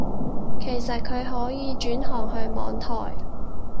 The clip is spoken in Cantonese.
其實佢可以轉行去網台